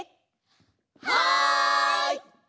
はい！